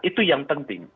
itu yang penting